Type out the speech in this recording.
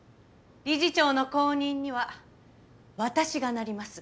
理事長の後任には私がなります。